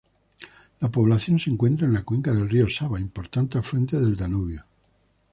La población se encuentra en la cuenca del río Sava, importante afluente del Danubio.